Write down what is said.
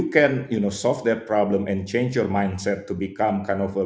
jika anda bisa menyelesaikan masalah itu dan mengubah pikiran anda